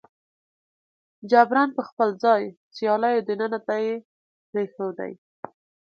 جبراً به خپل ځای سیالو دینونو ته پرېږدي.